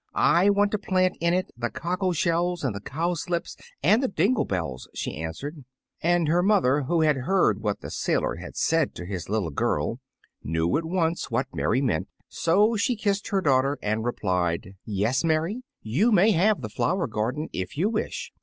"I want to plant in it the cockle shells and the cowslips and the dingle bells," she answered. And her mother, who had heard what the sailor had said to his little girl, knew at once what Mary meant; so she kissed her daughter and replied, "Yes, Mary, you may have the flower garden, if you wish.